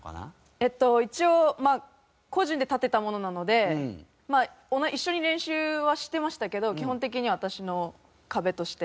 えっと一応個人で建てたものなのでまあ一緒に練習はしてましたけど基本的には私の壁として。